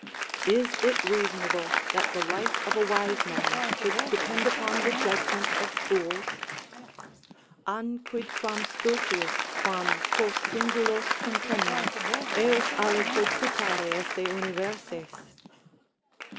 Is it reasonable that the life of a wise man should depend upon the judgment of fools? "An quidquam stultius, quam, quos singulos contemnas, eos aliquid putare esse universes?"